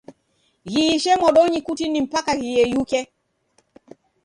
Ghiishe modonyi kutini mpaka ghiyeyuke.